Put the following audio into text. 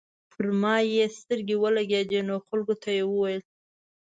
چې پر ما يې سترګې ولګېدې نو خلکو ته یې وويل.